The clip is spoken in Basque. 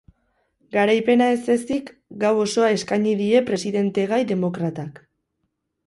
Garaipena ez-ezik gau osoa eskaini die presidentegai demokratak.